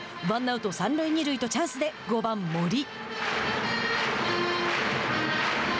ワンアウト、三塁二塁とチャンスで５番、森。